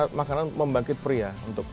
jadi makanan membangkit pria